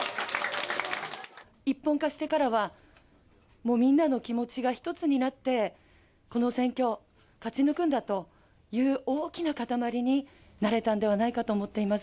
一本化してからは、もう、みんなの気持ちが一つになって、この選挙を勝ち抜くんだという、大きな固まりになれたんではないかと思っています。